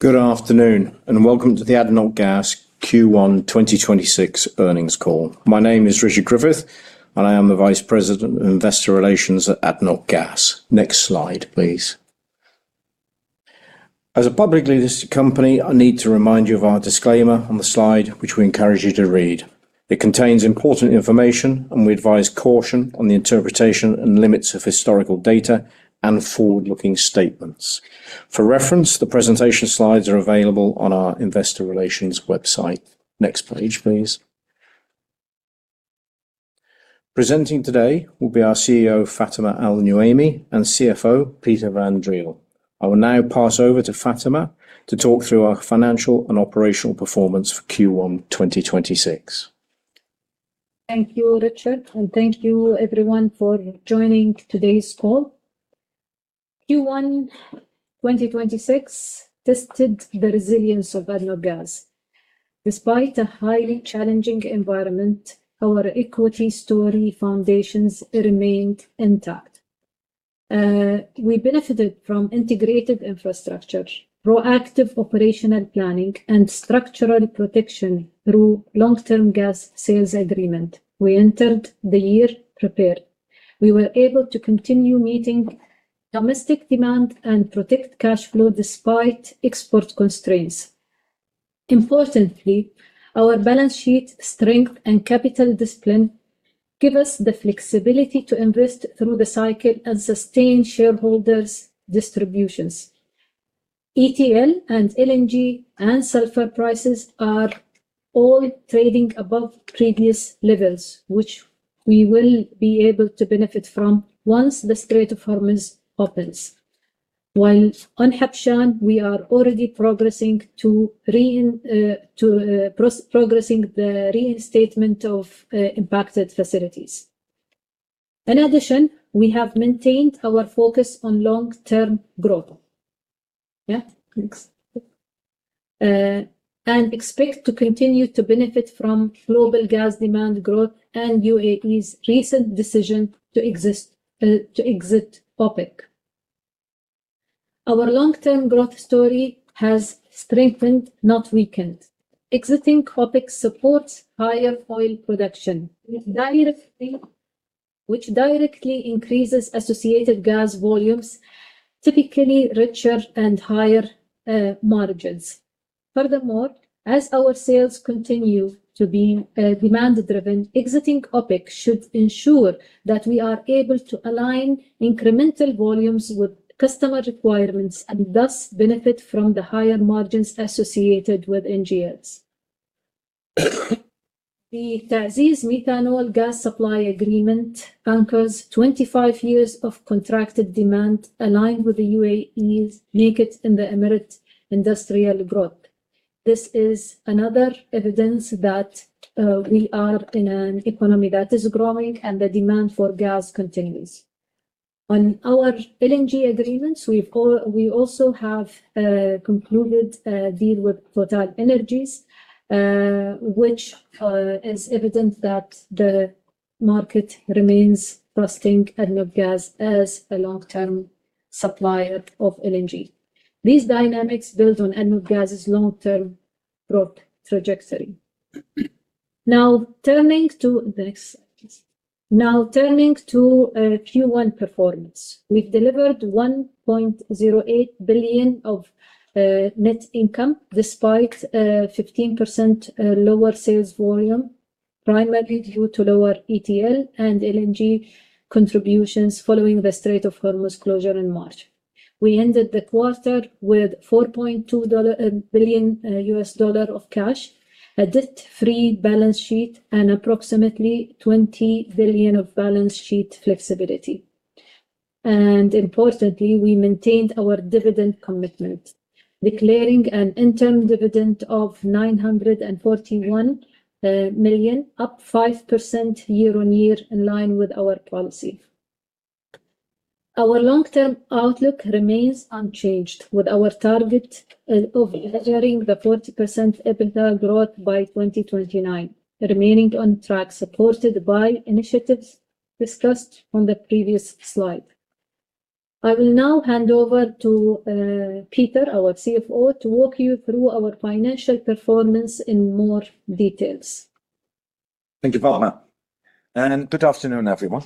Good afternoon, welcome to the ADNOC Gas Q1 2026 earnings call. My name is Richard Griffith, I am the Vice President of Investor Relations at ADNOC Gas. Next slide, please. As a publicly listed company, I need to remind you of our disclaimer on the slide, which we encourage you to read. It contains important information, we advise caution on the interpretation and limits of historical data and forward-looking statements. For reference, the presentation slides are available on our investor relations website. Next page, please. Presenting today will be our CEO, Fatema Al Nuaimi, and CFO, Peter van Driel. I will now pass over to Fatema to talk through our financial and operational performance for Q1 2026. Thank you, Richard, and thank you everyone for joining today's call. Q1 2026 tested the resilience of ADNOC Gas. Despite a highly challenging environment, our equity story foundations remained intact. We benefited from integrated infrastructure, proactive operational planning, and structural protection through long-term gas sales agreement. We entered the year prepared. We were able to continue meeting domestic demand and protect cash flow despite export constraints. Importantly, our balance sheet strength and capital discipline give us the flexibility to invest through the cycle and sustain shareholders' distributions. ETL and LNG and sulfur prices are all trading above previous levels, which we will be able to benefit from once the Strait of Hormuz opens. While on Habshan, we are already progressing the reinstatement of impacted facilities. In addition, we have maintained our focus on long-term growth. Yeah. Thanks. Expect to continue to benefit from global gas demand growth and UAE's recent decision to exit OPEC. Our long-term growth story has strengthened, not weakened. Exiting OPEC supports higher oil production, which directly increases associated gas volumes, typically richer and higher margins. Furthermore, as our sales continue to be demand-driven, exiting OPEC should ensure that we are able to align incremental volumes with customer requirements and thus benefit from the higher margins associated with NGLs. The TA'ZIZ methanol gas supply agreement anchors 25 years of contracted demand aligned with the UAE's Make It in the Emirates industrial growth. This is another evidence that we are in an economy that is growing and the demand for gas continues. On our LNG agreements, we also have concluded a deal with TotalEnergies, which is evidence that the market remains trusting ADNOC Gas as a long-term supplier of LNG. These dynamics build on ADNOC Gas's long-term growth trajectory. Turning to Q1 performance. We've delivered $1.08 billion of net income despite 15% lower sales volume, primarily due to lower ETL and LNG contributions following the Strait of Hormuz closure in March. We ended the quarter with $4.2 billion of cash, a debt-free balance sheet, and approximately $20 billion of balance sheet flexibility. Importantly, we maintained our dividend commitment, declaring an interim dividend of $941 million, up 5% year-on-year in line with our policy. Our long-term outlook remains unchanged with our target, of delivering the 40% EBITDA growth by 2029 remaining on track, supported by initiatives discussed on the previous slide. I will now hand over to Peter, our CFO, to walk you through our financial performance in more details. Thank you, Fatema. Good afternoon, everyone.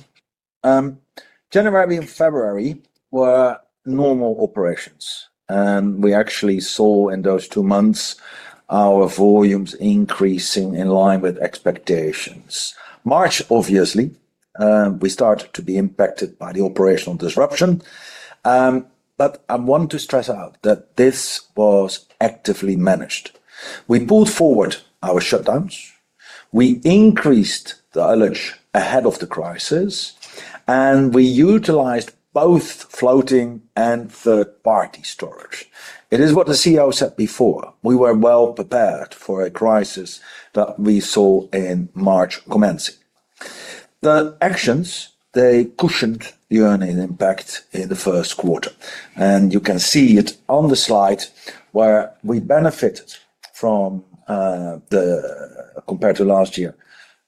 January and February were normal operations, and we actually saw in those two months our volumes increasing in line with expectations. March, obviously, we started to be impacted by the operational disruption. I want to stress out that this was actively managed. We pulled forward our shutdowns. We increased the outage ahead of the crisis, and we utilized both floating and third-party storage. It is what the CEO said before. We were well prepared for a crisis that we saw in March commencing. The actions, they cushioned the earning impact in the first quarter, and you can see it on the slide where we benefited from, compared to last year,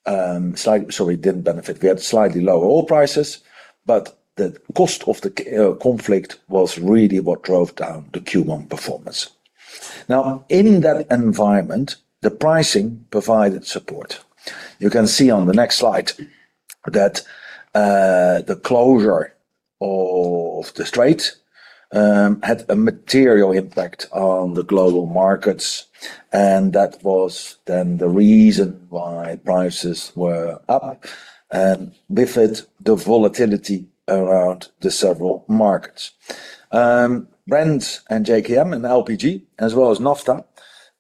we didn't benefit. We had slightly lower oil prices, but the cost of the conflict was really what drove down the Q1 performance. In that environment, the pricing provided support. You can see on the next slide that the closure of the Strait had a material impact on the global markets, that was then the reason why prices were up with it, the volatility around the several markets. Brent and JKM and LPG, as well as naphtha,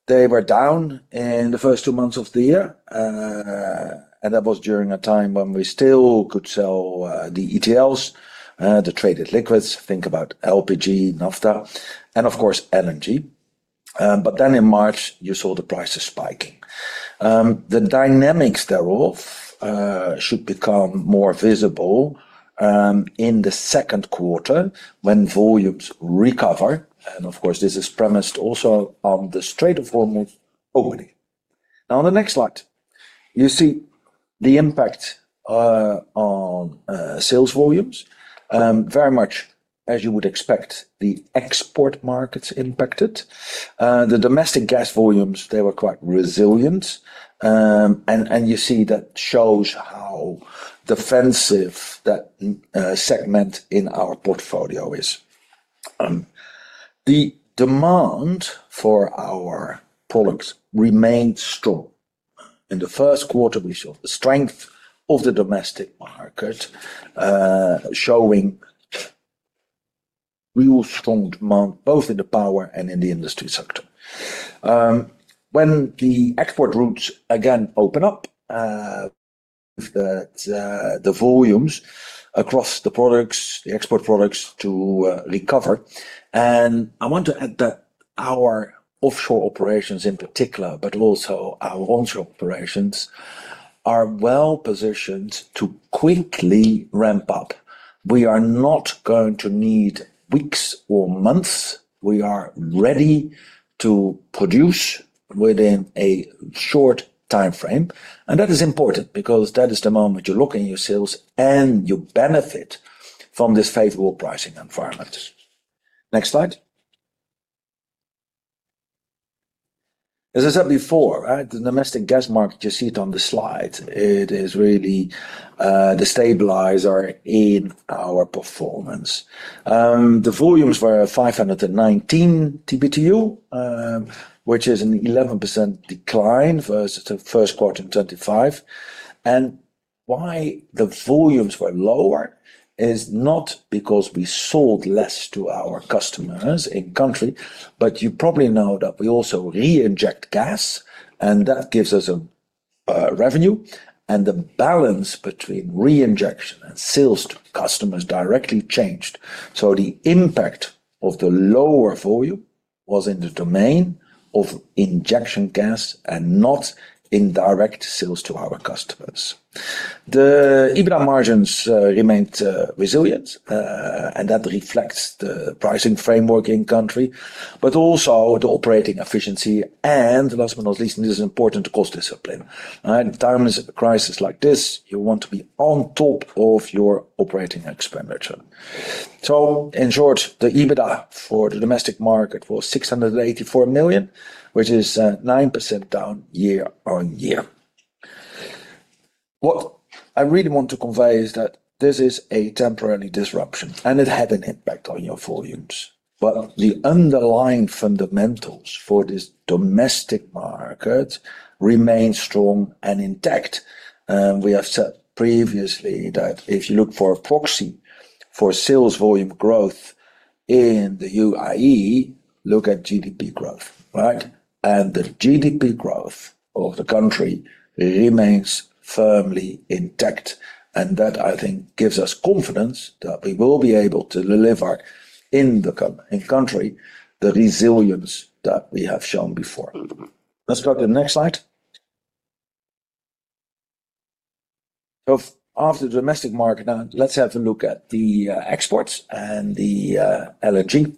they were down in the first two months of the year. That was during a time when we still could sell the ETLs, the traded liquids, think about LPG, naphtha, and of course, LNG. In March, you saw the prices spiking. The dynamics thereof should become more visible in the second quarter when volumes recover. Of course, this is premised also on the Strait of Hormuz opening. On the next slide, you see the impact on sales volumes. Very much as you would expect, the export markets impacted. The domestic gas volumes, they were quite resilient. You see that shows how defensive that segment in our portfolio is. The demand for our products remained strong. In the first quarter, we saw the strength of the domestic market, showing real strong demand both in the power and in the industry sector. When the export routes again open up, the volumes across the products, the export products to recover. I want to add that our offshore operations in particular, but also our onshore operations, are well-positioned to quickly ramp up. We are not going to need weeks or months. We are ready to produce within a short timeframe. That is important because that is the moment you lock in your sales and you benefit from this favorable pricing environment. Next slide. As I said before, right, the domestic gas market, you see it on the slide, it is really the stabilizer in our performance. The volumes were 519 TBtu, which is an 11% decline versus the first quarter in 2025. Why the volumes were lower is not because we sold less to our customers in country, but you probably know that we also reinject gas, and that gives us a revenue. The balance between reinjection and sales to customers directly changed. The impact of the lower volume was in the domain of injection gas and not in direct sales to our customers. The EBITDA margins remained resilient, and that reflects the pricing framework in country, but also the operating efficiency, and last but not least, this is important, cost discipline. All right. In times of a crisis like this, you want to be on top of your operating expenditure. In short, the EBITDA for the domestic market was $684 million, which is 9% down year-on-year. What I really want to convey is that this is a temporary disruption, and it had an impact on your volumes. The underlying fundamentals for this domestic market remain strong and intact. We have said previously that if you look for a proxy for sales volume growth in the UAE, look at GDP growth, right. The GDP growth of the country remains firmly intact. That, I think, gives us confidence that we will be able to deliver in country the resilience that we have shown before. Let's go to the next slide. After domestic market, now let's have a look at the exports and the LNG.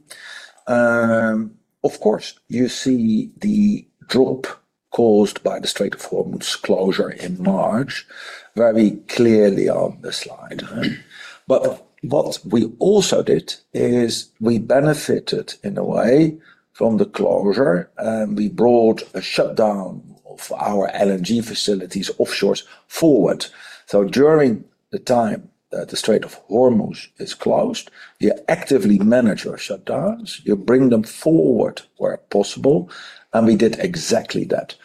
Of course, you see the drop caused by the Strait of Hormuz closure in March very clearly on the slide. What we also did is we benefited in a way from the closure, and we brought a shutdown of our LNG facilities offshores forward. During the time that the Strait of Hormuz is closed, you actively manage your shutdowns, you bring them forward where possible, and we did exactly that.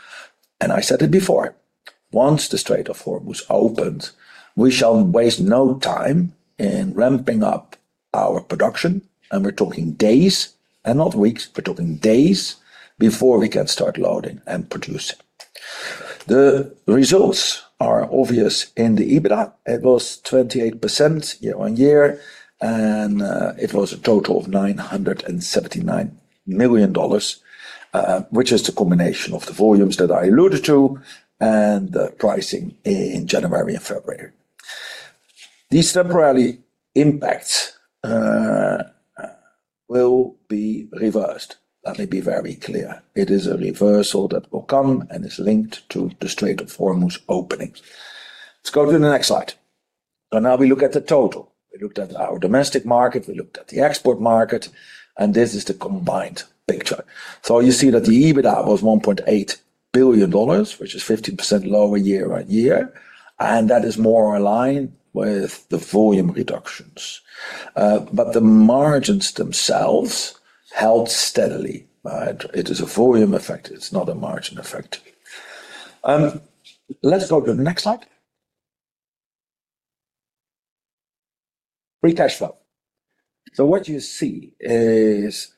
I said it before, once the Strait of Hormuz opens, we shall waste no time in ramping up our production, and we're talking days and not weeks. We're talking days before we can start loading and producing. The results are obvious in the EBITDA. It was 28% year-on-year, it was a total of $979 million, which is the combination of the volumes that I alluded to and the pricing in January and February. These temporary impacts will be reversed. Let me be very clear. It is a reversal that will come and is linked to the Strait of Hormuz opening. Let's go to the next slide. Now we look at the total. We looked at our domestic market, we looked at the export market, this is the combined picture. You see that the EBITDA was $1.8 billion, which is 15% lower year-on-year, that is more aligned with the volume reductions. The margins themselves held steadily, right? It is a volume effect, it's not a margin effect. Let's go to the next slide. Free cash flow. What you see is,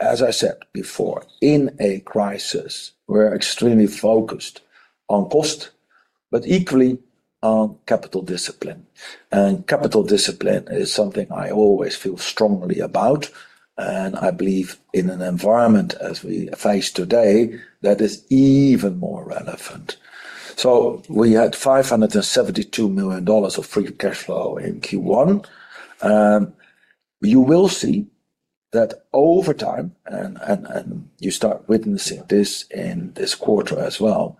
as I said before, in a crisis, we're extremely focused on cost, but equally on capital discipline. Capital discipline is something I always feel strongly about, and I believe in an environment as we face today, that is even more relevant. We had $572 million of free cash flow in Q1. You will see that over time, and you start witnessing this in this quarter as well,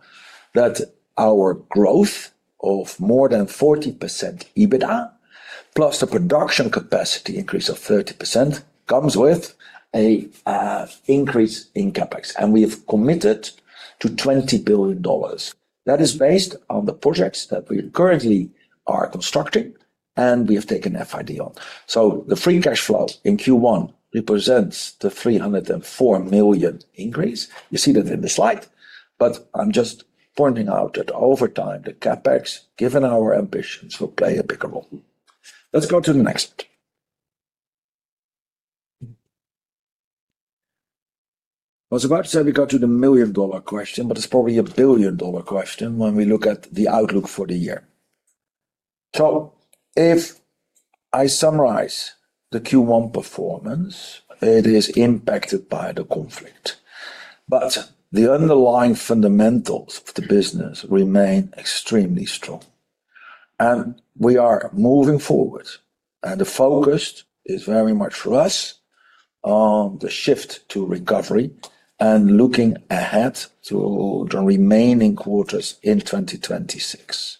that our growth of more than 40% EBITDA, plus the production capacity increase of 30% comes with a increase in CapEx, and we have committed to $20 billion. That is based on the projects that we currently are constructing, and we have taken FID on. The free cash flow in Q1 represents the $304 million increase. You see that in the slide, I'm just pointing out that over time, the CapEx, given our ambitions, will play a bigger role. Let's go to the next. I was about to say we got to the million-dollar question, it's probably a billion-dollar question when we look at the outlook for the year. If I summarize the Q1 performance, it is impacted by the conflict. The underlying fundamentals of the business remain extremely strong. We are moving forward, and the focus is very much for us on the shift to recovery and looking ahead to the remaining quarters in 2026.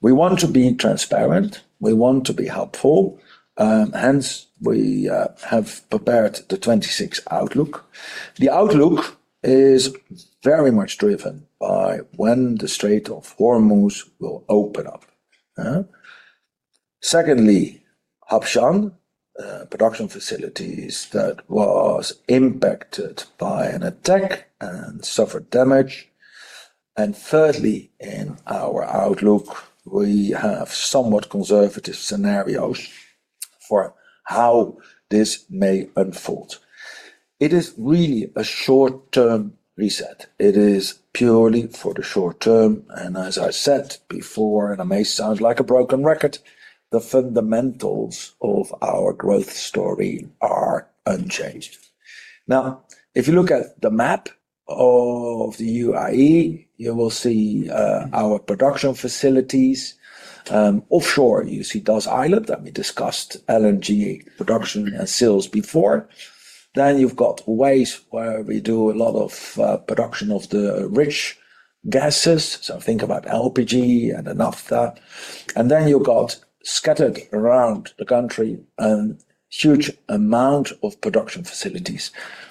We want to be transparent. We want to be helpful. Hence, we have prepared the 26 outlook. The outlook is very much driven by when the Strait of Hormuz will open up. Secondly, Habshan production facilities that was impacted by an attack and suffered damage. Thirdly, in our outlook, we have somewhat conservative scenarios for how this may unfold. It is really a short-term reset. It is purely for the short term, as I said before, I may sound like a broken record, the fundamentals of our growth story are unchanged. If you look at the map of the UAE, you will see our production facilities. Offshore, you see Das Island that we discussed LNG production and sales before. You've got Ruwais where we do a lot of production of the rich gases. Think about LPG and naphtha. You got scattered around the country, huge amount of production facilities.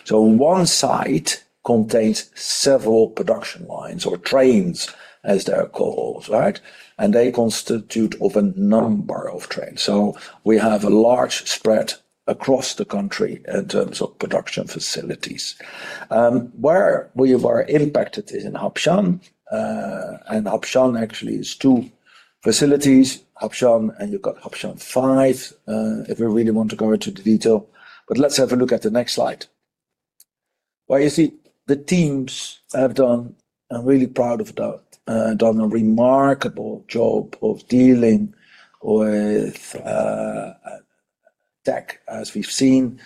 one site contains several production lines or trains, as they are called, right? They constitute of a number of trains. We have a large spread across the country in terms of production facilities. Where we were impacted is in Habshan. Habshan actually is two facilities, Habshan, and you've got Habshan 5, if we really want to go into the detail. Let's have a look at the next slide. Well, you see the teams have done, I'm really proud of that, done a remarkable job of dealing with tech, as we've seen.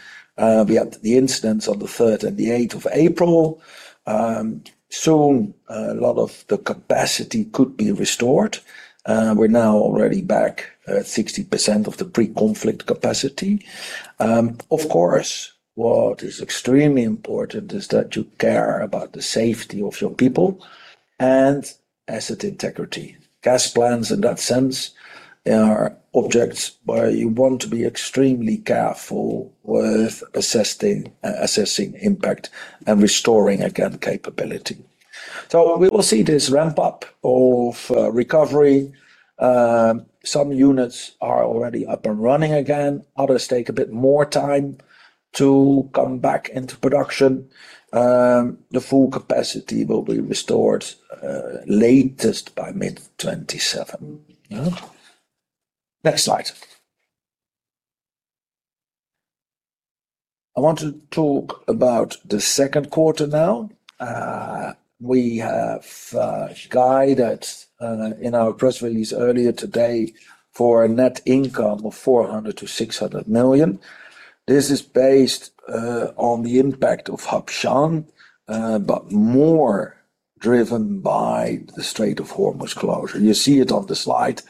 We had the incidents on the 3rd and the 8th of April. Soon, a lot of the capacity could be restored. We're now already back at 60% of the pre-conflict capacity. Of course, what is extremely important is that you care about the safety of your people and asset integrity. Gas plants, in that sense, they are objects where you want to be extremely careful with assessing impact and restoring again capability. We will see this ramp up of recovery. Some units are already up and running again. Others take a bit more time to come back into production. The full capacity will be restored latest by mid-2027. Next slide. I want to talk about the second quarter now. We have guided in our press release earlier today for a net income of $400 million-$600 million. This is based on the impact of Habshan, but more driven by the Strait of Hormuz closure. You see it on the slide.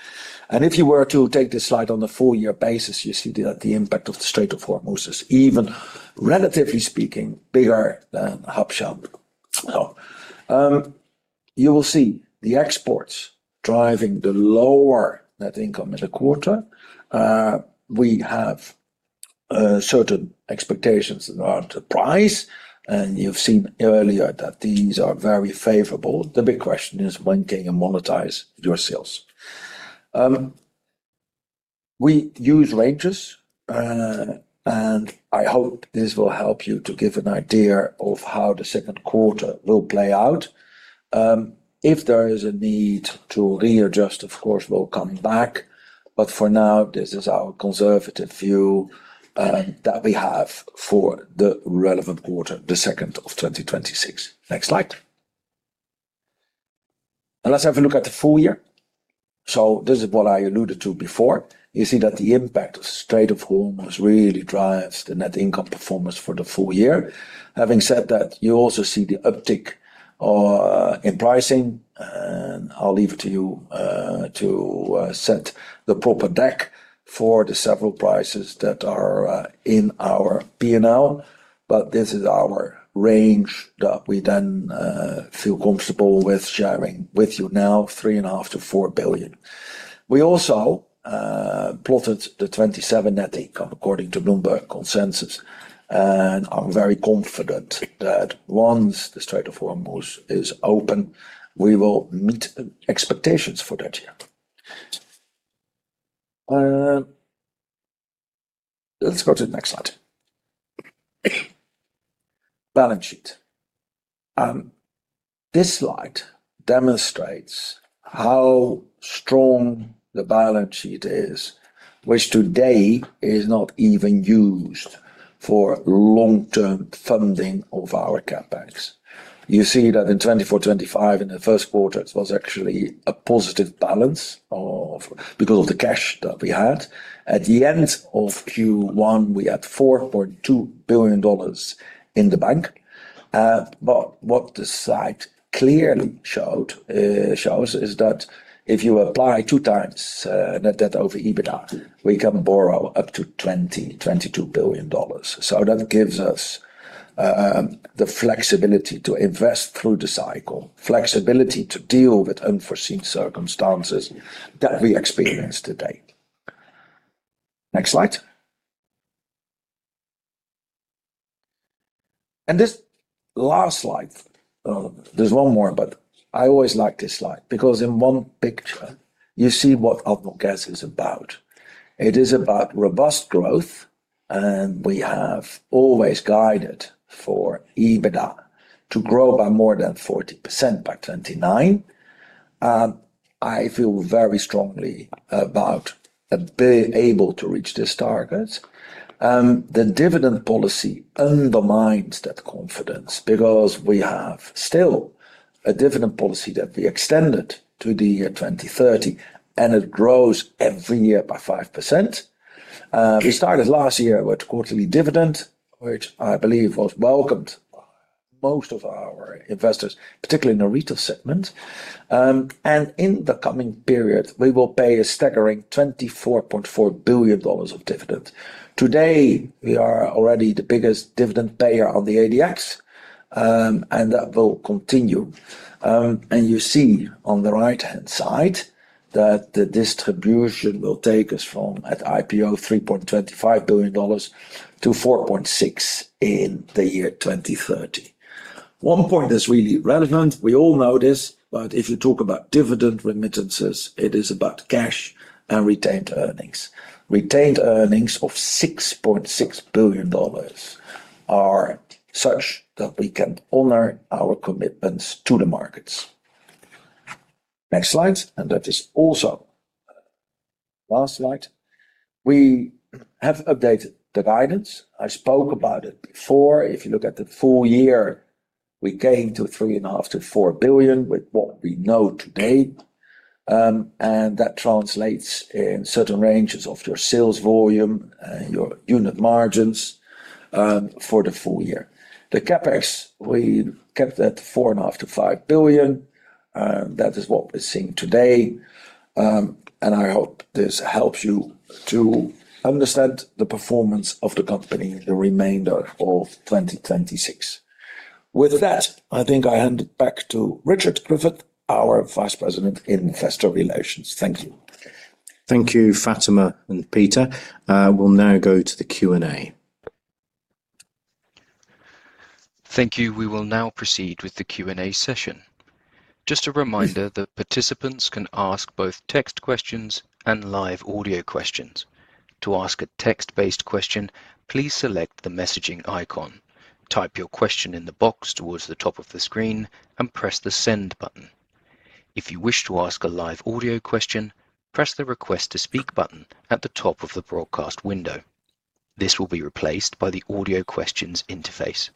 If you were to take this slide on the full-year basis, you see the impact of the Strait of Hormuz is even, relatively speaking, bigger than Habshan. You will see the exports driving the lower net income in the quarter. We have certain expectations about the price, and you've seen earlier that these are very favorable. The big question is when can you monetize your sales? We use ranges, and I hope this will help you to give an idea of how the second quarter will play out. If there is a need to readjust, of course, we'll come back. For now, this is our conservative view that we have for the relevant quarter, the second of 2026. Next slide. Let's have a look at the full-year. This is what I alluded to before. You see that the impact of Strait of Hormuz really drives the net income performance for the full-year. Having said that, you also see the uptick in pricing, and I'll leave it to you to set the proper deck for the several prices that are in our P&L. This is our range that we then feel comfortable with sharing with you now, $3.5 billion-$4 billion. We also plotted the 2027 net income according to Bloomberg consensus, and are very confident that once the Strait of Hormuz is open, we will meet expectations for that year. Let's go to the next slide. Balance sheet. This slide demonstrates how strong the balance sheet is, which today is not even used for long-term funding of our CapEx. You see that in 2024, 2025, in the first quarter, it was actually a positive balance because of the cash that we had. At the end of Q1, we had $4.2 billion in the bank. What the slide clearly showed shows is that if you apply 2x net debt over EBITDA, we can borrow up to $20 billion-$22 billion. That gives us the flexibility to invest through the cycle, flexibility to deal with unforeseen circumstances that we experience today. Next slide. This last slide, there's 1 more, but I always like this slide because in one picture you see what ADNOC Gas is about. It is about robust growth, we have always guided for EBITDA to grow by more than 40% by 2029. I feel very strongly about being able to reach these targets. The dividend policy undermines that confidence because we have still a dividend policy that we extended to the year 2030, and it grows every year by 5%. We started last year with quarterly dividend, which I believe was welcomed by most of our investors, particularly in the retail segment. In the coming period, we will pay a staggering $24.4 billion of dividend. Today, we are already the biggest dividend payer on the ADX, and that will continue. You see on the right-hand side that the distribution will take us from, at IPO, $3.25 billion-$4.6 billion in the year 2030. One point that's really relevant, we all know this, if you talk about dividend remittances, it is about cash and retained earnings. Retained earnings of $6.6 billion are such that we can honor our commitments to the markets. Next slide. That is also last slide. We have updated the guidance. I spoke about it before. If you look at the full-year, we gain to $3.5 billion-$4 billion with what we know today, that translates in certain ranges of your sales volume and your unit margins for the full-year. The CapEx, we kept at $4.5 billion-$5 billion. That is what we're seeing today. I hope this helps you to understand the performance of the company in the remainder of 2026. With that, I think I hand it back to Richard Griffith, our Vice President Investor Relations. Thank you. Thank you, Fatema and Peter. We'll now go to the Q&A. Thank you. We will now proceed with the Q&A session. Just a reminder that participants can ask both text questions and live audio questions. To ask a text-based question, please select the messaging icon, type your question in the box towards the top of the screen, and press the Send button. If you wish to ask a live audio question, press the Request to Speak button at the top of the broadcast window. This will be replaced by the Audio Questions interface.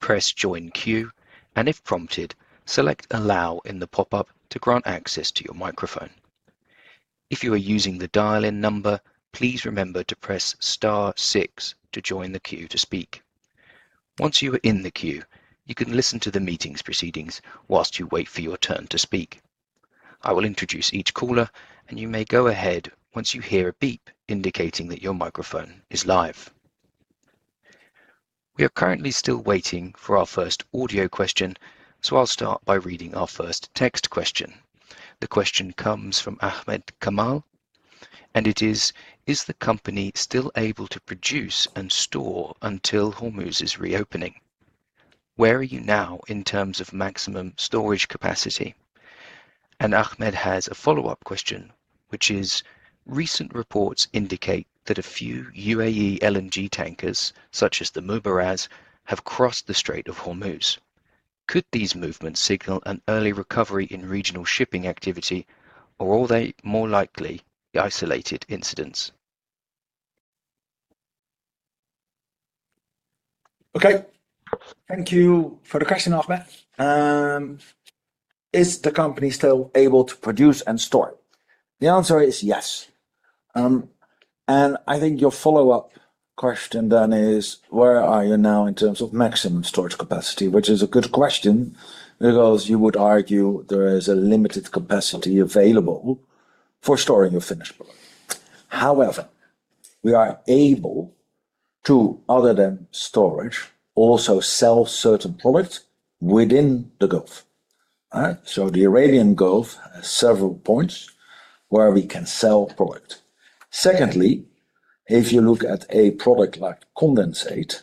Press Join Queue and, if prompted, select Allow in the pop-up to grant access to your microphone. If you are using the dial-in number, please remember to press star six to join the queue to speak. Once you are in the queue, you can listen to the meeting's proceedings whilst you wait for your turn to speak. I will introduce each caller, and you may go ahead once you hear a beep indicating that your microphone is live. We are currently still waiting for our first audio question, so I'll start by reading our first text question. The question comes from Ahmed Kamal, and it is: Is the company still able to produce and store until Hormuz's reopening? Where are you now in terms of maximum storage capacity? Ahmed has a follow-up question, which is: Recent reports indicate that a few UAE LNG tankers, such as the Mubaraz, have crossed the Strait of Hormuz. Could these movements signal an early recovery in regional shipping activity, or are they more likely isolated incidents? Okay. Thank you for the question, Ahmed. Is the company still able to produce and store? The answer is yes. I think your follow-up question then is where are you now in terms of maximum storage capacity? Which is a good question, because you would argue there is a limited capacity available for storing your finished product. However, we are able to, other than storage, also sell certain products within the Gulf. All right? The Arabian Gulf has several points where we can sell product. Secondly, if you look at a product like condensate,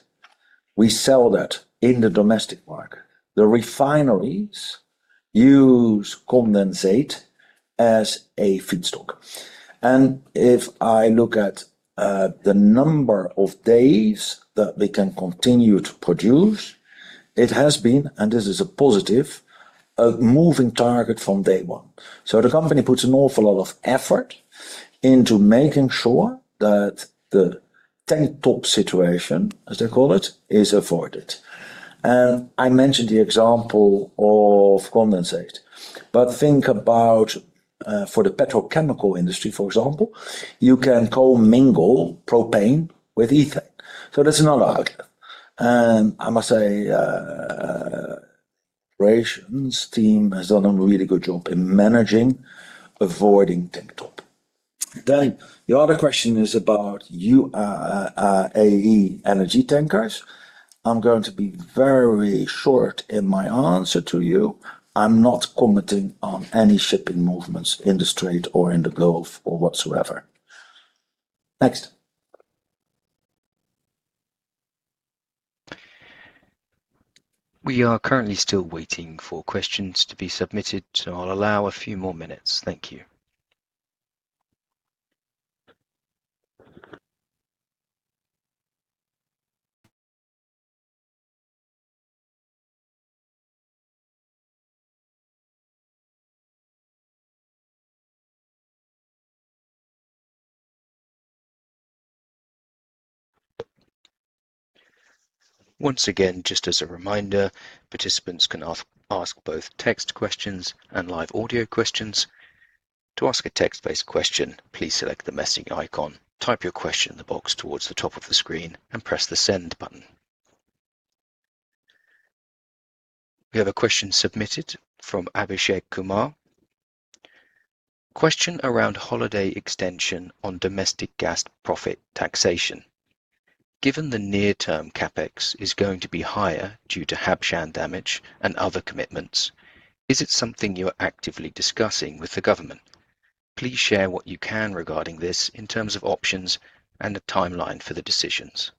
we sell that in the domestic market. The refineries use condensate as a feedstock. If I look at the number of days that we can continue to produce, it has been, and this is a positive, a moving target from day one. The company puts an awful lot of effort into making sure that the tank top situation, as they call it, is avoided. I mentioned the example of condensate. Think about, for the petrochemical industry, for example, you can co-mingle propane with ethane. That's another outlet. I must say, operations team has done a really good job in managing avoiding tank top. The other question is about UAE energy tankers. I'm going to be very short in my answer to you. I'm not commenting on any shipping movements in the Strait or in the Gulf or whatsoever. Next. We are currently still waiting for questions to be submitted. I'll allow a few more minutes. Thank you. Once again, just as a reminder, participants can ask both text questions and live audio questions. To ask a text-based question, please select the messaging icon, type your question in the box towards the top of the screen, and press the Send button. We have a question submitted from Abhishek Kumar. Question around holiday extension on domestic gas profit taxation. Given the near-term CapEx is going to be higher due to Habshan damage and other commitments, is it something you're actively discussing with the government? Please share what you can regarding this in terms of options and a timeline for the decisions.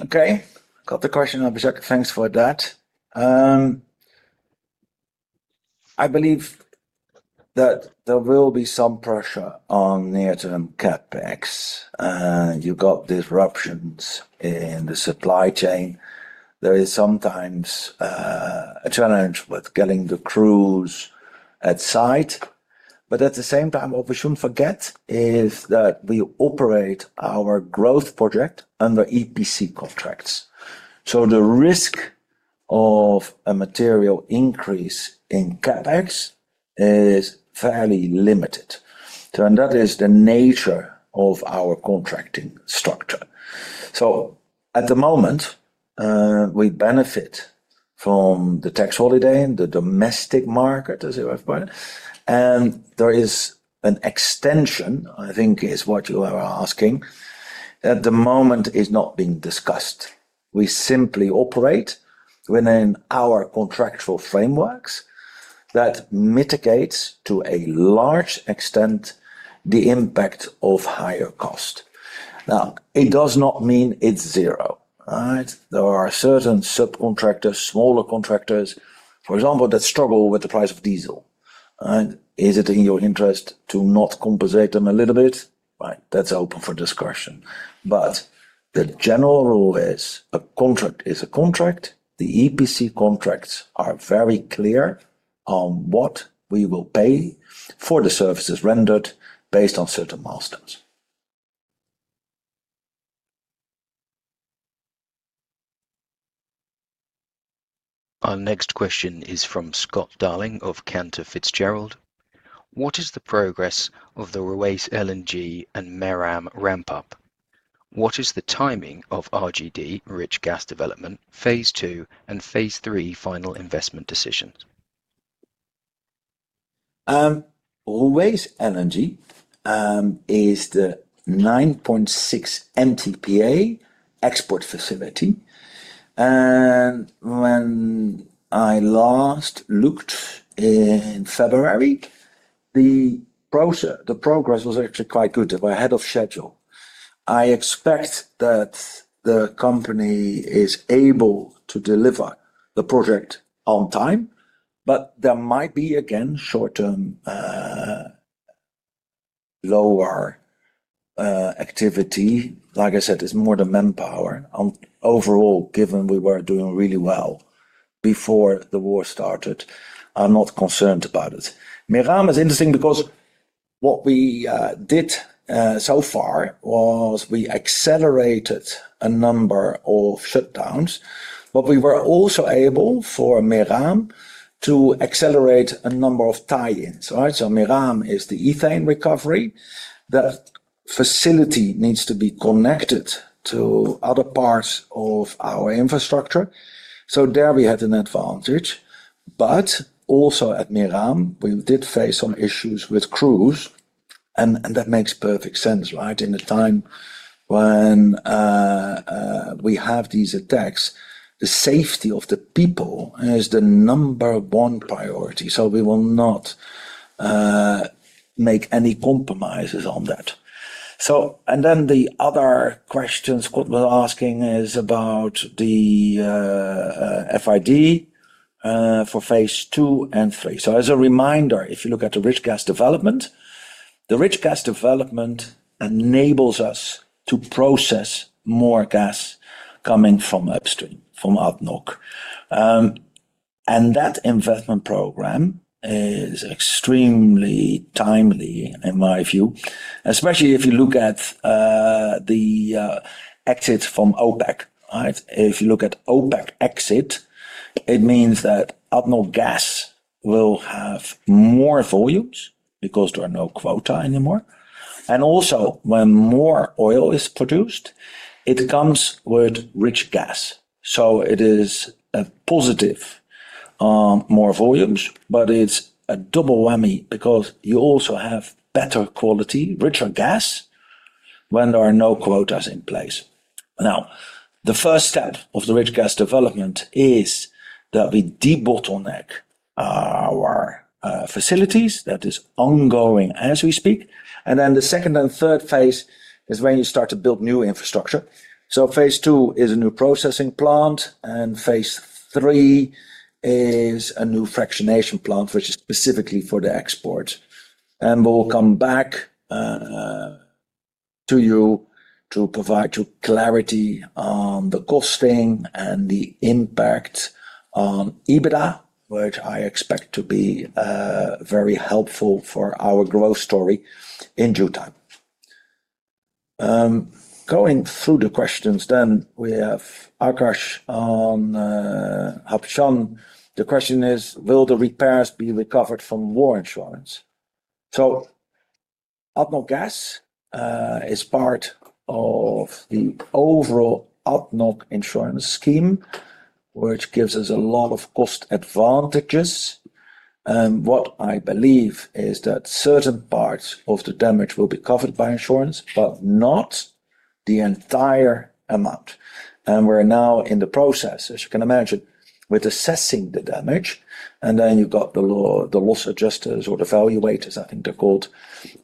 Okay. Got the question, Abhishek. Thanks for that. I believe that there will be some pressure on near-term CapEx. You got disruptions in the supply chain. There is sometimes a challenge with getting the crews at site. At the same time, what we shouldn't forget is that we operate our growth project under EPC contracts. The risk of a material increase in CapEx is fairly limited. That is the nature of our contracting structure. At the moment, we benefit from the tax holiday in the domestic market, as you referred. There is an extension, I think is what you are asking, at the moment is not being discussed. We simply operate within our contractual frameworks that mitigates, to a large extent, the impact of higher cost. Now, it does not mean it's zero. All right? There are certain subcontractors, smaller contractors, for example, that struggle with the price of diesel. All right? Is it in your interest to not compensate them a little bit? Right. That's open for discussion. The general rule is a contract is a contract. The EPC contracts are very clear on what we will pay for the services rendered based on certain milestones Our next question is from Scott Darling of Cantor Fitzgerald. What is the progress of the Ruwais LNG and MERAM ramp up? What is the timing of RGD, Rich Gas Development, phase 2 and phase 3 final investment decisions? Ruwais LNG is the 9.6 MTPA export facility. When I last looked in February, the progress was actually quite good. They were ahead of schedule. I expect that the company is able to deliver the project on time, but there might be again short-term, lower activity. Like I said, it's more the manpower. Overall, given we were doing really well before the war started, I'm not concerned about it. MERAM is interesting because what we did so far was we accelerated a number of shutdowns. We were also able, for MERAM, to accelerate a number of tie-ins. All right. MERAM is the ethane recovery. That facility needs to be connected to other parts of our infrastructure. There we had an advantage. Also at MERAM, we did face some issues with crews, and that makes perfect sense, right? In a time when we have these attacks, the safety of the people is the number one priority. We will not make any compromises on that. The other questions Scott was asking is about the FID for phase 2 and 3. As a reminder, if you look at the Rich Gas Development, the Rich Gas Development enables us to process more gas coming from upstream, from ADNOC. That investment program is extremely timely, in my view, especially if you look at the exit from OPEC. Right? If you look at OPEC exit, it means that ADNOC Gas will have more volumes because there are no quota anymore. Also, when more oil is produced, it comes with Rich Gas. It is a positive, more volumes, but it's a double whammy because you also have better quality, richer gas when there are no quotas in place. The first step of the Rich Gas Development is that we debottleneck our facilities. That is ongoing as we speak. The second and third phase is when you start to build new infrastructure. Phase 2 is a new processing plant, and phase 3 is a new fractionation plant, which is specifically for the export. We'll come back to you to provide you clarity on the costing and the impact on EBITDA, which I expect to be very helpful for our growth story in due time. Going through the questions, we have Akash on Habshan. The question is, will the repairs be recovered from war insurance? ADNOC Gas is part of the overall ADNOC insurance scheme, which gives us a lot of cost advantages. What I believe is that certain parts of the damage will be covered by insurance, but not the entire amount. We're now in the process, as you can imagine, with assessing the damage, then you've got the loss adjusters or the valuators, I think they're called,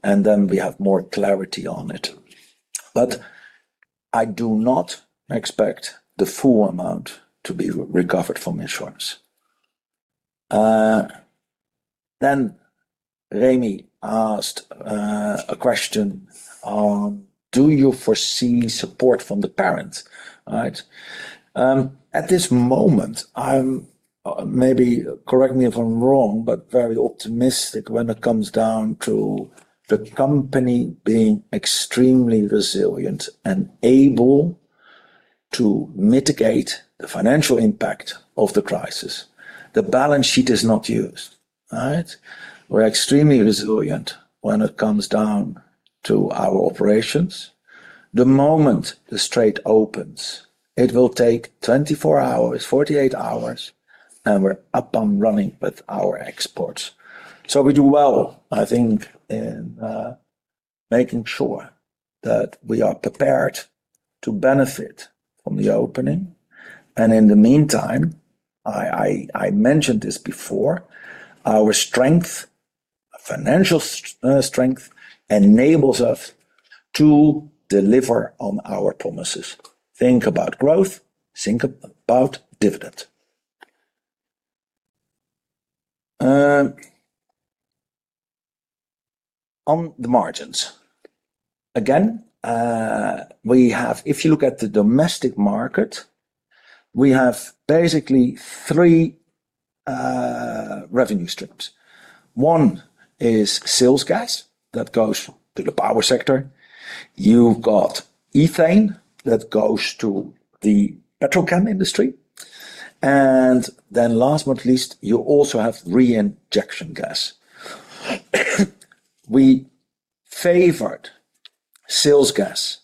then we have more clarity on it. I do not expect the full amount to be recovered from insurance. Remy asked a question on, do you foresee support from the parent? Right. At this moment, I'm, maybe correct me if I'm wrong, but very optimistic when it comes down to the company being extremely resilient and able to mitigate the financial impact of the crisis. The balance sheet is not used. All right. We're extremely resilient when it comes down to our operations. The moment the Strait opens, it will take 24 hours, 48 hours, we're up and running with our exports. We do well, I think, in making sure that we are prepared to benefit from the opening. In the meantime, I mentioned this before, our financial strength enables us to deliver on our promises. Think about growth, think about dividend. On the margins, again, we have If you look at the domestic market, we have basically three revenue streams. One is sales gas that goes to the power sector. You've got ethane that goes to the petrochemical industry. Last but not least, you also have reinjection gas. We favored sales gas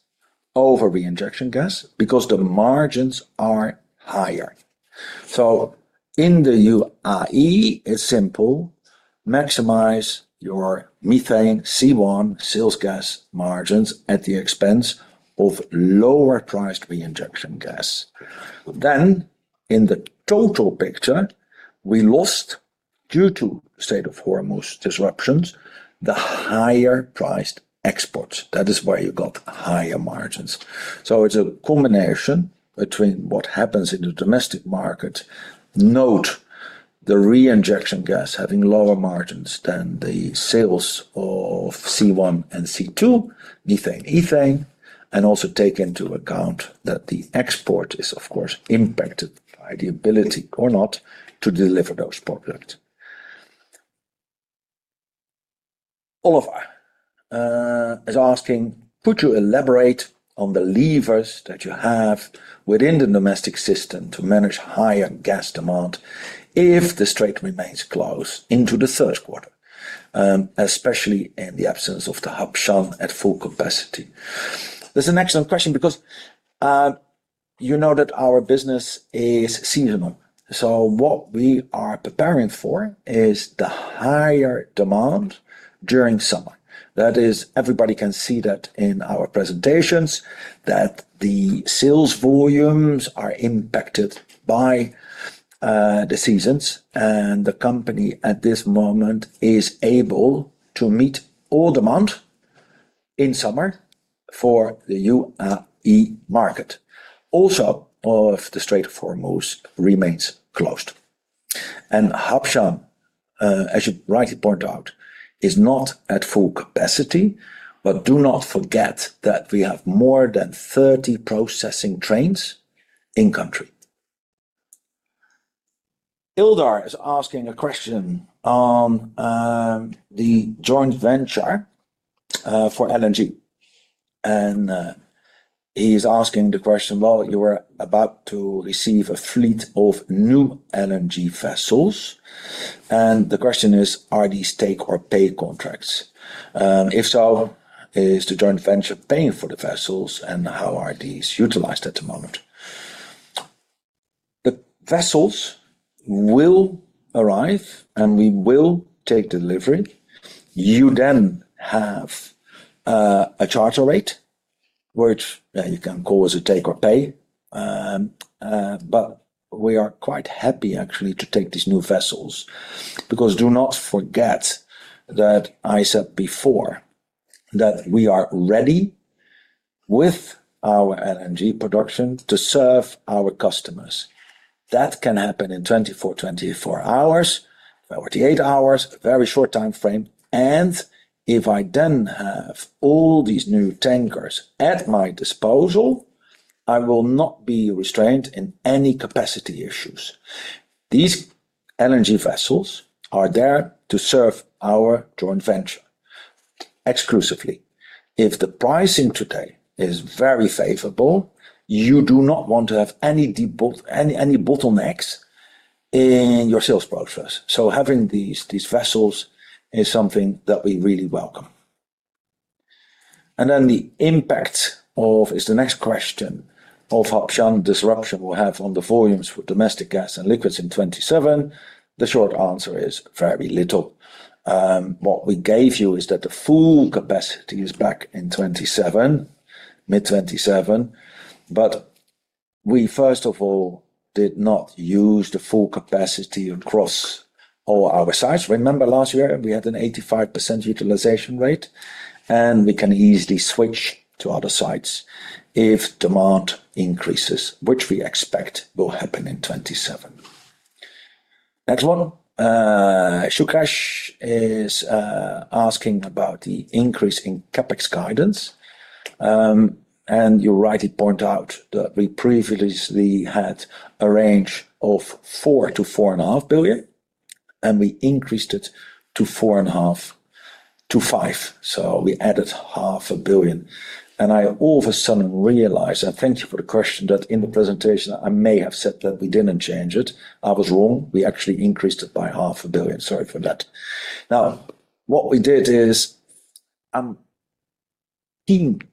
over reinjection gas because the margins are higher. In the UAE, it's simple. Maximize your methane C1 sales gas margins at the expense of lower priced reinjection gas. In the total picture, we lost, due to Strait of Hormuz disruptions, the higher priced exports. That is why you got higher margins. It's a combination between what happens in the domestic market. Note, the reinjection gas having lower margins than the sales of C1 and C2, methane, ethane, and also take into account that the export is, of course, impacted by the ability or not to deliver those products. Oliver is asking, Could you elaborate on the levers that you have within the domestic system to manage higher gas demand if the Strait remains closed into the third quarter, especially in the absence of the Habshan at full capacity? That's an excellent question because you know that our business is seasonal. What we are preparing for is the higher demand during summer. That is, everybody can see that in our presentations that the sales volumes are impacted by the seasons, and the company at this moment is able to meet all demand in summer for the UAE market, also if the Strait of Hormuz remains closed. Habshan, as you rightly point out, is not at full capacity. Do not forget that we have more than 30 processing trains in country. Ildar is asking a question on the joint venture for LNG. He is asking the question, Well, you are about to receive a fleet of new LNG vessels. The question is, Are these take or pay contracts? If so, is the joint venture paying for the vessels, and how are these utilized at the moment? The vessels will arrive, and we will take delivery. You then have a charter rate, which you can call as a take or pay. We are quite happy actually to take these new vessels because do not forget that I said before that we are ready with our LNG production to serve our customers. That can happen in 24 hours, 48 hours, a very short timeframe. If I then have all these new tankers at my disposal, I will not be restrained in any capacity issues. These LNG vessels are there to serve our joint venture exclusively. If the pricing today is very favorable, you do not want to have any bottlenecks in your sales process. Having these vessels is something that we really welcome. The impact of, is the next question, of Habshan disruption will have on the volumes for domestic gas and liquids in 2027. The short answer is very little. What we gave you is that the full capacity is back in 2027, mid-2027. We, first of all, did not use the full capacity across all our sites. Remember last year we had an 85% utilization rate. We can easily switch to other sites if demand increases, which we expect will happen in 2027. Next one, Shriharsha Pappu is asking about the increase in CapEx guidance. You rightly point out that we previously had a range of $4 billion-$4.5 billion, and we increased it to $4.5 billion-$5 billion. We added half a billion. I all of a sudden realized, and thank you for the question, that in the presentation I may have said that we didn't change it. I was wrong. We actually increased it by half a billion. Sorry for that. What we did is in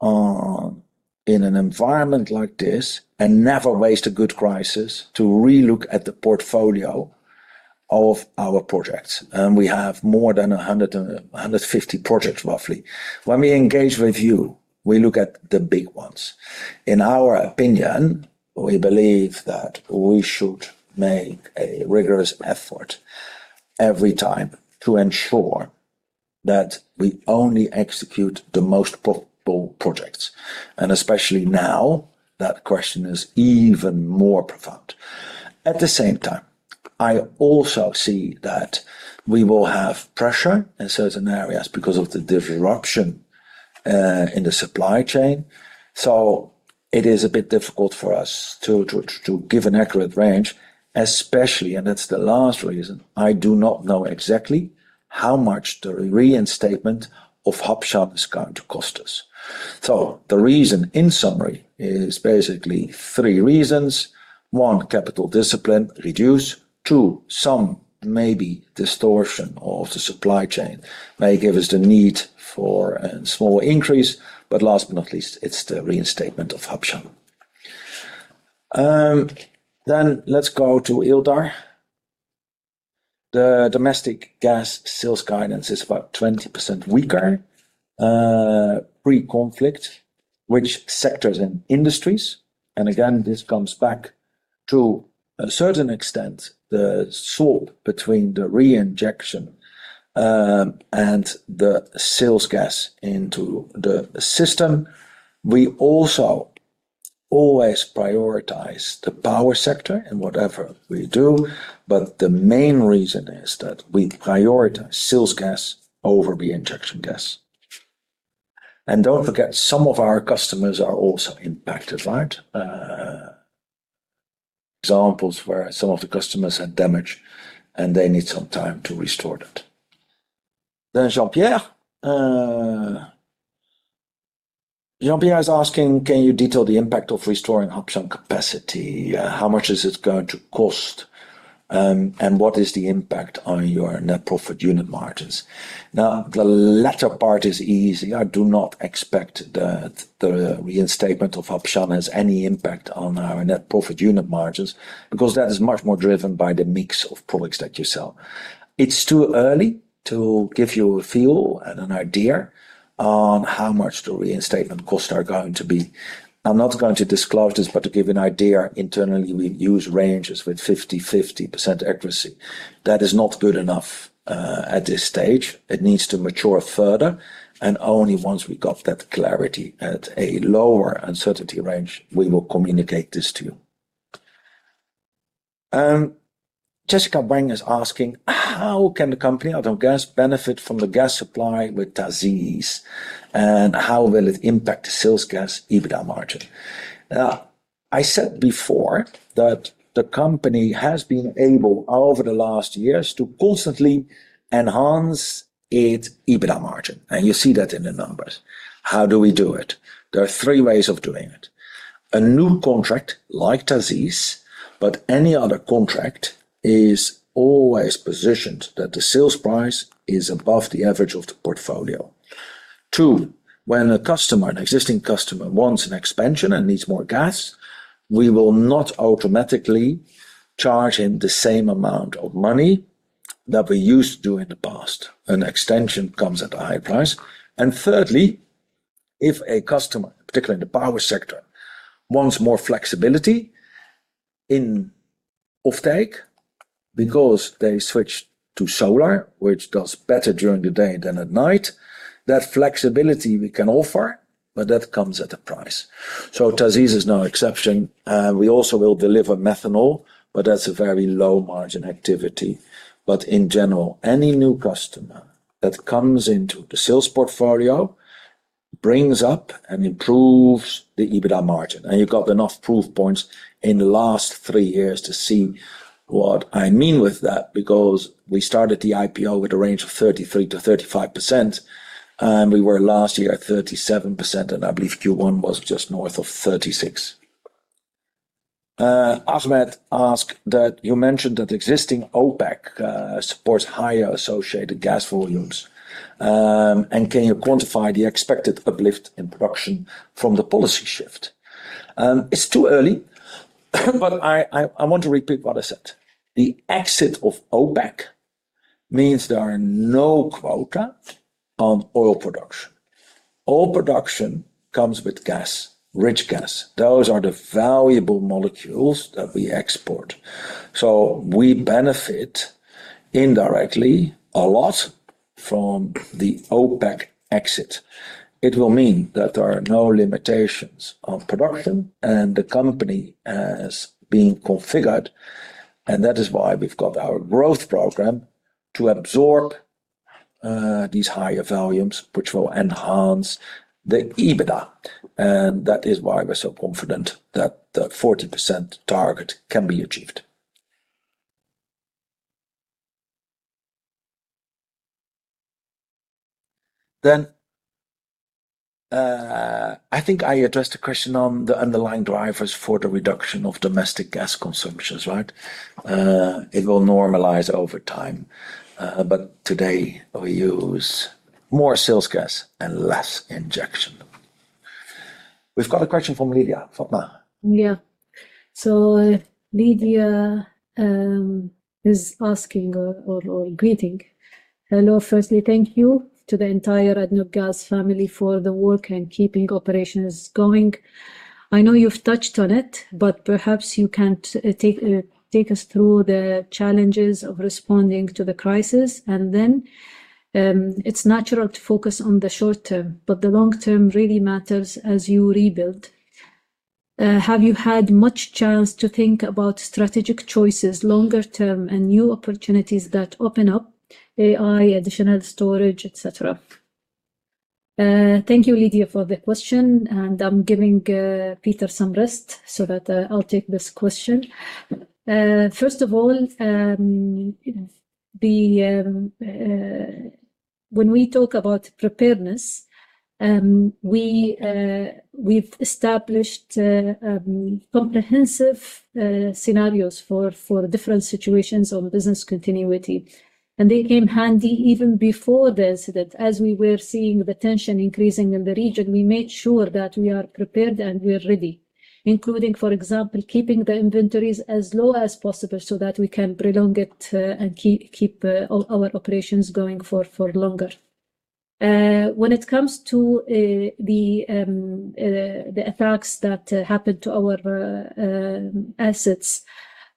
an environment like this, and never waste a good crisis to relook at the portfolio of our projects, and we have more than 150 projects, roughly. When we engage with you, we look at the big ones. In our opinion, we believe that we should make a rigorous effort every time to ensure that we only execute the most profitable projects. Especially now, that question is even more profound. At the same time, I also see that we will have pressure in certain areas because of the disruption in the supply chain. It is a bit difficult for us to give an accurate range, especially, and that's the last reason, I do not know exactly how much the reinstatement of Habshan is going to cost us. The reason in summary is basically three reasons. One, capital discipline reduced. Two, some maybe distortion of the supply chain may give us the need for a small increase. Last but not least, it's the reinstatement of Habshan. Let's go to Ildar. The domestic gas sales guidance is about 20% weaker, pre-conflict. Which sectors and industries? Again, this comes back to a certain extent the swap between the reinjection and the sales gas into the system. We also always prioritize the power sector in whatever we do, but the main reason is that we prioritize sales gas over the injection gas. Don't forget, some of our customers are also impacted, right? Examples where some of the customers had damage, and they need some time to restore that. Jean-Pierre. Jean-Pierre is asking, Can you detail the impact of restoring Habshan capacity? How much is it going to cost? And what is the impact on your net profit unit margins? The latter part is easy. I do not expect the reinstatement of Habshan has any impact on our net profit unit margins, because that is much more driven by the mix of products that you sell. It's too early to give you a feel and an idea on how much the reinstatement costs are going to be. I'm not going to disclose this, but to give you an idea, internally we use ranges with 50/50% accuracy. That is not good enough at this stage. It needs to mature further, and only once we got that clarity at a lower uncertainty range, we will communicate this to you. Jessica Wang is asking, How can the company, ADNOC Gas, benefit from the gas supply with TA'ZIZ, and how will it impact the sales gas EBITDA margin? I said before that the company has been able over the last years to constantly enhance its EBITDA margin, and you see that in the numbers. How do we do it? There are three ways of doing it. A new contract like TA'ZIZ, but any other contract, is always positioned that the sales price is above the average of the portfolio. Two, when a customer, an existing customer, wants an expansion and needs more gas, we will not automatically charge him the same amount of money that we used to in the past. An extension comes at a high price. Thirdly, if a customer, particularly in the power sector, wants more flexibility in offtake because they switch to solar, which does better during the day than at night, that flexibility we can offer, but that comes at a price. TA'ZIZ is no exception. We also will deliver methanol, but that's a very low-margin activity. In general, any new customer that comes into the sales portfolio brings up and improves the EBITDA margin. You got enough proof points in the last three years to see what I mean with that, because we started the IPO with a range of 33%-35%, and we were last year at 37%, and I believe Q1 was just north of 36%. Ahmed asked that you mentioned that existing OPEC supports higher associated gas volumes. Can you quantify the expected uplift in production from the policy shift? It's too early, but I, I want to repeat what I said. The exit of OPEC means there are no quota on oil production. Oil production comes with gas, rich gas. Those are the valuable molecules that we export. We benefit indirectly a lot from the OPEC exit. It will mean that there are no limitations on production, the company has been configured, and that is why we've got our growth program to absorb these higher volumes, which will enhance the EBITDA. That is why we're so confident that the 40% target can be achieved. I think I addressed the question on the underlying drivers for the reduction of domestic gas consumptions, right? It will normalize over time. Today we use more sales gas and less injection. We've got a question from Lydia. Fatema? Lydia is asking or greeting. Hello. Firstly, thank you to the entire ADNOC Gas family for the work and keeping operations going. I know you've touched on it, but perhaps you can take us through the challenges of responding to the crisis. Then, it's natural to focus on the short term, but the long term really matters as you rebuild. Have you had much chance to think about strategic choices longer term and new opportunities that open up, AI, additional storage, et cetera? Thank you, Lydia, for the question, I'm giving Peter some rest so that I'll take this question. First of all, when we talk about preparedness, we've established comprehensive scenarios for different situations on business continuity, they came handy even before the incident. As we were seeing the tension increasing in the region, we made sure that we are prepared and we are ready, including, for example, keeping the inventories as low as possible so that we can prolong it, and keep our operations going for longer. When it comes to the attacks that happened to our assets,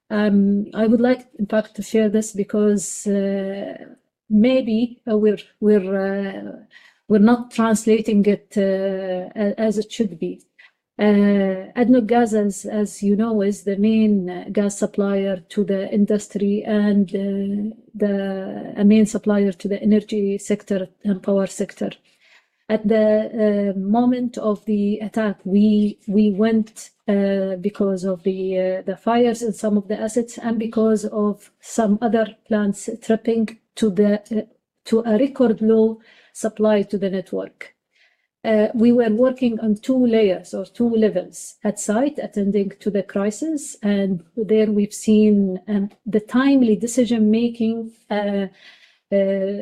I would like in fact to share this because maybe we're not translating it as it should be. ADNOC Gas, as you know, is the main gas supplier to the industry and a main supplier to the energy sector and power sector. At the moment of the attack, we went because of the fires in some of the assets and because of some other plants tripping to a record low supply to the network. We were working on two layers or two levels. At site, attending to the crisis, and there we've seen the timely decision-making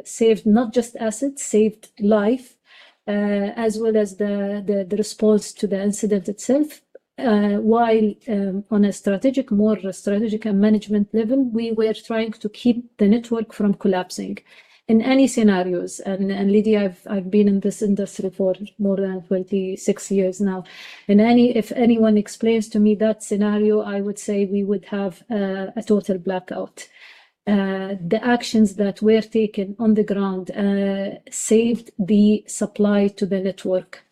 saved not just assets, saved life, as well as the response to the incident itself. While on a strategic, more strategic and management level, we were trying to keep the network from collapsing in any scenarios. Lydia, I've been in this industry for more than 26 years now. If anyone explains to me that scenario, I would say we would have a total blackout. The actions that were taken on the ground saved the supply to the network,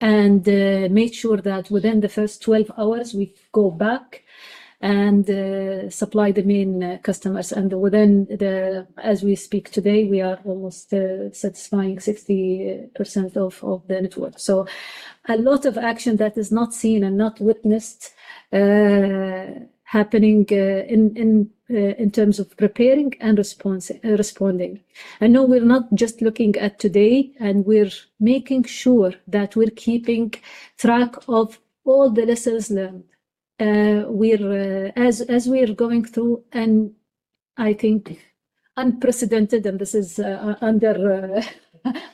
and made sure that within the first 12 hours we go back and supply the main customers. Within the As we speak today, we are almost satisfying 60% of the network. A lot of action that is not seen and not witnessed happening in terms of preparing and responding. No, we're not just looking at today, and we're making sure that we're keeping track of all the lessons learned. We're as we are going through an, I think, unprecedented, and this is under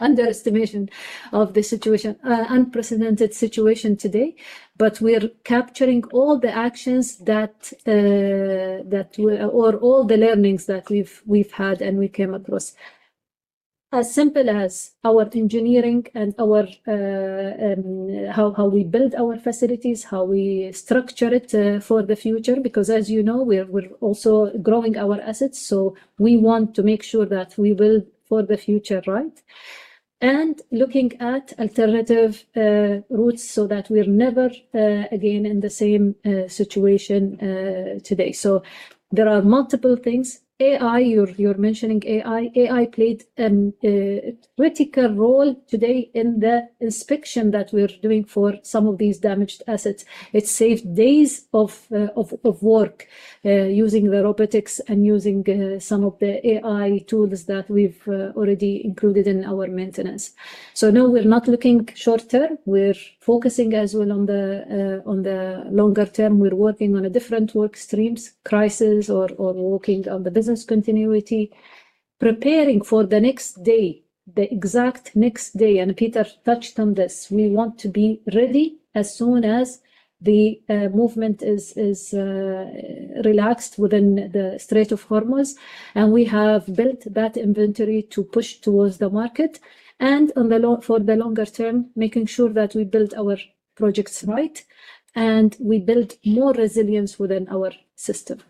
underestimation of the situation, unprecedented situation today. We are capturing all the actions that all the learnings that we've had and we came across. As simple as our engineering and our, how we build our facilities, how we structure it for the future, because as you know, we're also growing our assets. We want to make sure that we build for the future, right. Looking at alternative routes so that we're never again in the same situation today. There are multiple things. AI, you're mentioning AI. AI played a critical role today in the inspection that we're doing for some of these damaged assets. It saved days of work using the robotics and using some of the AI tools that we've already included in our maintenance. No, we're not looking short-term. We're focusing as well on the longer term. We're working on a different work streams, crisis or working on the business continuity, preparing for the next day, the exact next day. Peter touched on this. We want to be ready as soon as the movement is relaxed within the Strait of Hormuz. We have built that inventory to push towards the market. On the longer term, making sure that we build our projects right. We build more resilience within our system.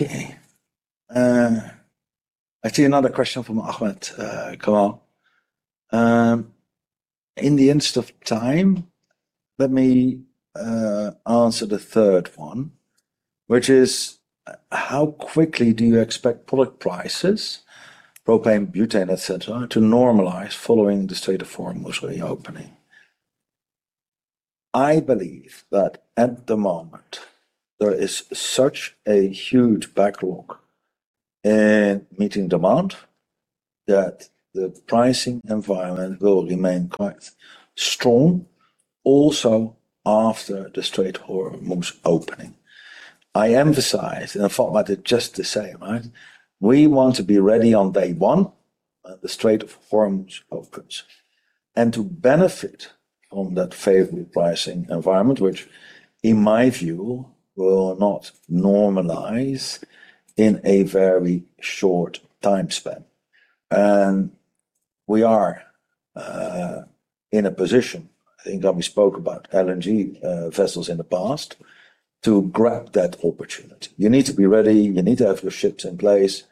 Okay. I see another question from Ahmed Kamal. In the interest of time, let me answer the third one, which is how quickly do you expect product prices, propane, butane, et cetera, to normalize following the Strait of Hormuz reopening? I believe that at the moment there is such a huge backlog in meeting demand that the pricing environment will remain quite strong also after the Strait of Hormuz opening. I emphasize, Fatema said just the same, right? We want to be ready on day one at the Strait of Hormuz opens, to benefit from that favorable pricing environment, which in my view will not normalize in a very short time span. We are in a position, I think, and we spoke about LNG vessels in the past, to grab that opportunity. You need to be ready. You need to have your ships in place.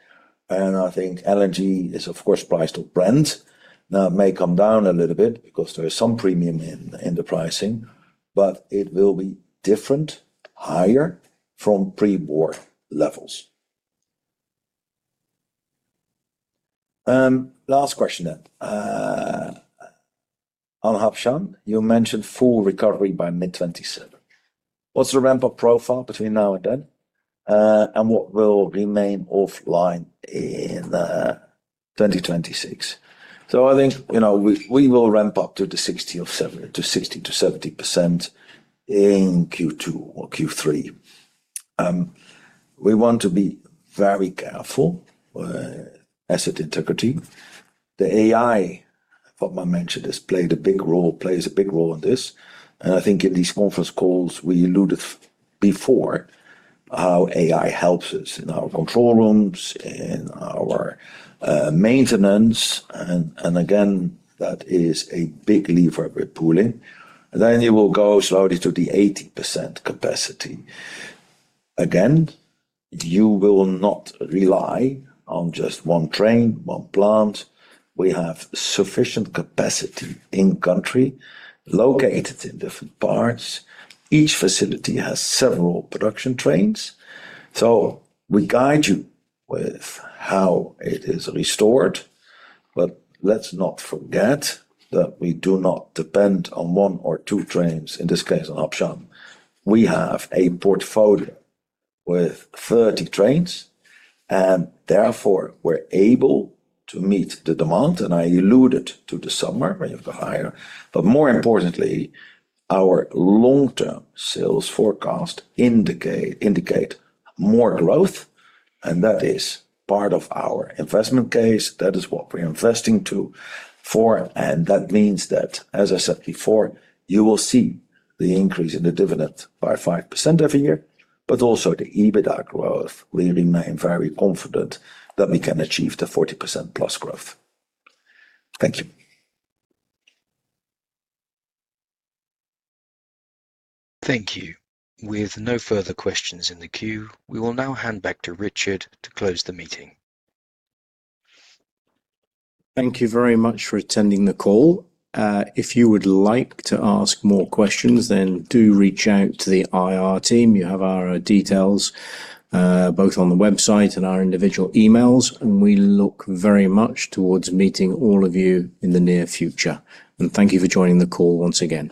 I think LNG is, of course, priced to Brent. Now, it may come down a little bit because there is some premium in the pricing, but it will be different, higher from pre-war levels. Last question. On Habshan, you mentioned full recovery by mid-2027. What's the ramp-up profile between now and then? What will remain offline in 2026? I think, you know, we will ramp up to the 60%-70% in Q2 or Q3. We want to be very careful, asset integrity. The AI, Fatema mentioned, plays a big role in this. I think in these conference calls we alluded before how AI helps us in our control rooms, in our maintenance. Again, that is a big lever we pull in. It will go slowly to the 80% capacity. Again, you will not rely on just one train, one plant. We have sufficient capacity in country located in different parts. Each facility has several production trains. We guide you with how it is restored, but let's not forget that we do not depend on one or two trains, in this case, on Habshan. We have a portfolio with 30 trains, and therefore we're able to meet the demand. I alluded to the summer when you have the higher butane. More importantly, our long-term sales forecast indicate more growth, and that is part of our investment case. That is what we're investing to for. That means that, as I said before, you will see the increase in the dividend by 5% every year, but also the EBITDA growth. We remain very confident that we can achieve the 40% plus growth. Thank you. Thank you. With no further questions in the queue, we will now hand back to Richard to close the meeting. Thank you very much for attending the call. If you would like to ask more questions, then do reach out to the IR team. You have our details, both on the website and our individual emails. We look very much towards meeting all of you in the near future. Thank you for joining the call once again.